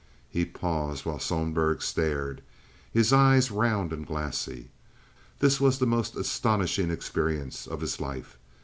He paused while Sohlberg stared—his eyes round and glassy. This was the most astonishing experience of his life.